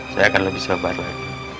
saya akan lebih sabar lagi